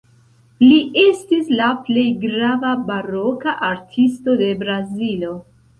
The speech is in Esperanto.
Li estis la plej grava baroka artisto de Brazilo.